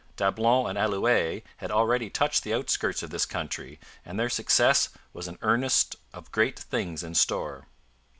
Dablon and Allouez had already touched the outskirts of this country, and their success was an earnest of great things in store.